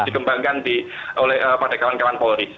dikembangkan pada kawan kawan polri